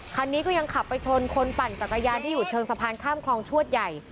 คันนี้ก็ยังขับไปชนคนปั่นจักรยานที่อยู่เชิงสะพานข้ามคลองชวดใหญ่